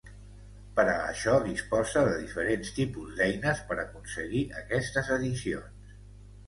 Per a això disposa de diferents tipus d'eines per aconseguir aquestes edicions.